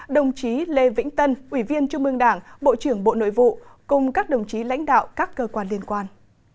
đồng chí lê vĩnh tân ủy viên trung mương đảng bộ trưởng bộ nội vụ cùng các đồng chí lãnh đạo các cơ quan liên quan